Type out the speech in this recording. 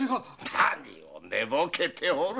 何を寝ぼけておる。